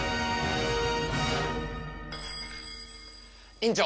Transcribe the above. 院長！